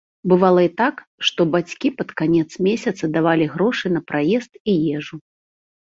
Бывала і так, што бацькі пад канец месяца давалі грошы на праезд і ежу.